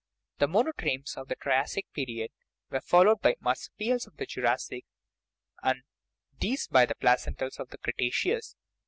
The monotremes of the Triassic period were followed by the marsupials of the Jurassic, and these by the placentals of the Cretaceous.